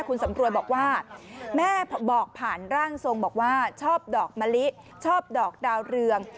คุณสำรวยบอกว่าแม่บอกผ่านร่างทรงบอกว่าชอบดอกมะลิชอบดอกดาวเรือง